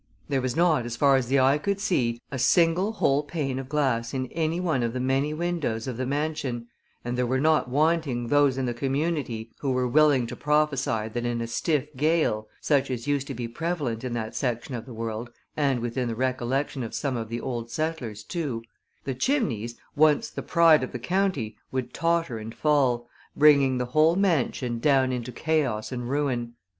There was not, as far as the eye could see, a single whole pane of glass in any one of the many windows of the mansion, and there were not wanting those in the community who were willing to prophesy that in a stiff gale such as used to be prevalent in that section of the world, and within the recollection of some of the old settlers too the chimneys, once the pride of the county, would totter and fall, bringing the whole mansion down into chaos and ruin.